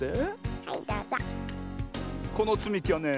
このつみきはね